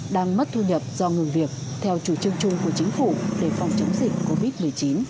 đang mất thu nhập do ngừng việc theo chủ trương chung của chính phủ để phòng chống dịch covid một mươi chín